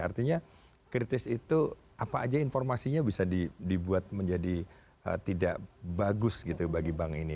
artinya kritis itu apa aja informasinya bisa dibuat menjadi tidak bagus gitu bagi bank ini